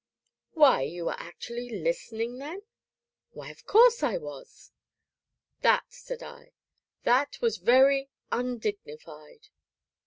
"Why you were actually listening then?" "Why, of course I was." "That," said I, "that was very undignified!"